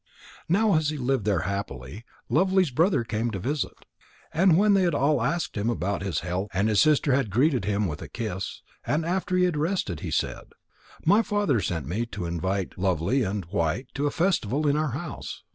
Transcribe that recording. Now as he lived there happily, Lovely's brother came to visit. And when they had all asked him about his health and his sister had greeted him with a kiss, and after he had rested, he said: "My father sent me to invite Lovely and White to a festival in our house."